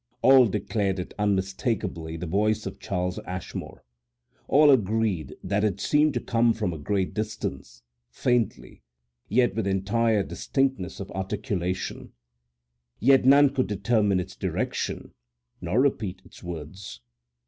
All declared it unmistakably the voice of Charles Ashmore; all agreed that it seemed to come from a great distance, faintly, yet with entire distinctness of articulation; yet none could determine its direction, nor repeat its words.